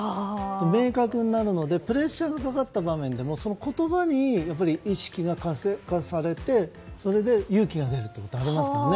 明確になるのでプレッシャーのかかった場面でも言葉に意識が活性化されてそれで勇気が出ることはありますね。